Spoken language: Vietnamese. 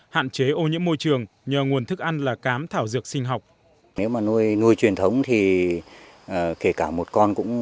hạn chế ô nhiễm môi trường nhờ nguồn thức ăn là cám thảo dược sinh học